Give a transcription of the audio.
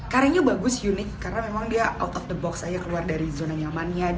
karyanya bagus unik karena memang dia out of the box aja keluar dari zona nyamannya